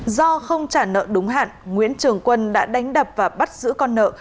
do không trả nợ đúng hạn nguyễn trường quân đã đánh đập và bắt giữ con nợ